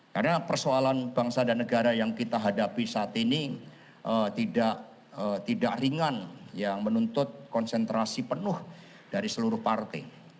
karena persoalan bangsa dan negara yang kita hadapi saat ini tidak ringan yang menuntut konsentrasi penuh dari seluruh partai